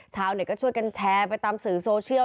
ชาวเน็ตก็ช่วยกันแชร์ไปตามสื่อโซเชียล